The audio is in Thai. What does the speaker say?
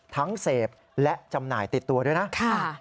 เสพและจำหน่ายติดตัวด้วยนะ